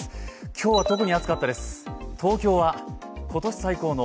今日は特に暑かったです。